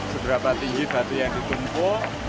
seberapa tinggi batu yang ditumpuk